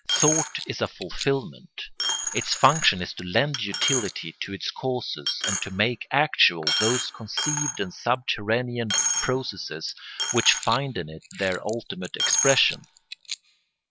Thought is a fulfilment; its function is to lend utility to its causes and to make actual those conceived and subterranean processes which find in it their ultimate expression.